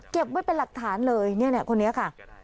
เก็บไว้เป็นหลักฐานเลยเนี่ยคนนี้ค่ะ